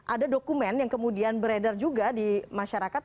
ada dokumen yang kemudian beredar juga di masyarakat